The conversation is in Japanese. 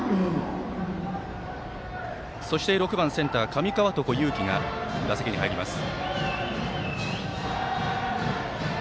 そして、６番センター、上川床勇希が打席に入ります。